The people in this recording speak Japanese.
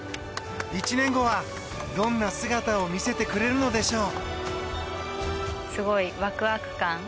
１年後は、どんな姿を見せてくれるのでしょう。